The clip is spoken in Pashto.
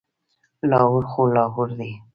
لاهور خو لاهور دی.